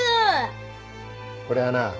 これはな